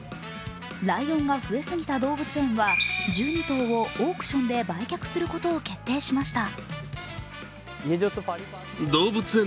ライオンが増え過ぎた動物園は１２頭をオークションで売却することを決定しました。